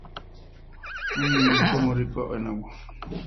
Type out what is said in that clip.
Es un municipio muy rico en agua.